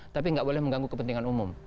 tapi nggak boleh mengganggu kepentingan umum